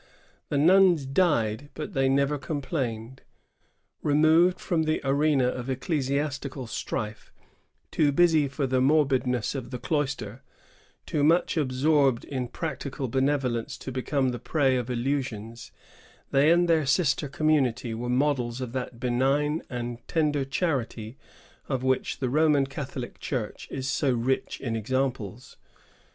The nuns died, but they never complained. Removed from the arena of ecclesiastical strife, too busy for the morbidness of the cloister, too much absorbed in practical benevolence to become the prey of illusions, they and their sister community were models of that benign and tender charity of which the Roman Catholic Church is so rich in examples.